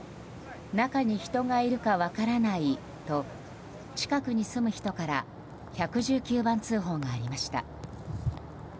中に人がいるか分からないと近くに住む人から１１９番通報がありました。